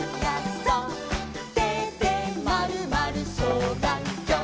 「てでまるまるそうがんきょう」